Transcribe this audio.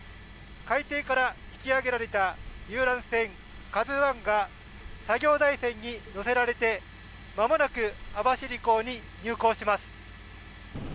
海底から引き揚げられた遊覧船ＫＡＺＵＩが、作業台船に載せられて、まもなく網走港に入港します。